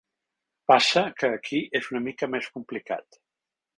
Passa que aquí és una mica més complicat.